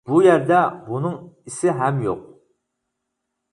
بۇ يەردە بۇنىڭ ئىسى ھەم يوق.